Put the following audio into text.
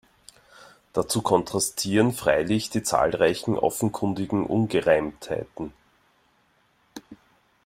Dazu kontrastieren freilich die zahlreichen offenkundigen Ungereimtheiten.